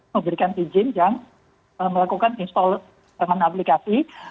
memberikan izin yang melakukan install dengan aplikasi